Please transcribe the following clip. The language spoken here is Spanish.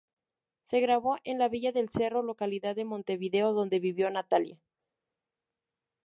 Se grabó en la Villa del Cerro, localidad de Montevideo, donde vivió Natalia.